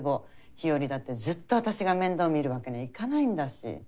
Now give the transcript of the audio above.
日和だってずっと私が面倒見るわけにはいかないんだし。